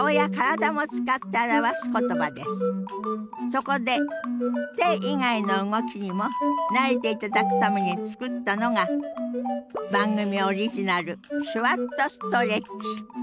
そこで手以外の動きにも慣れていただくために作ったのが番組オリジナル手話っとストレッチ。